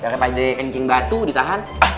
daripada kencing batu ditahan